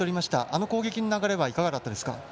あの攻撃の流れはいかがだったんですか？